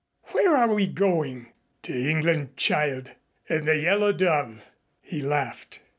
"Where are we going?" "To England, child in the Yellow Dove," he laughed.